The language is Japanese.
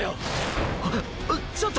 あえちょっと！！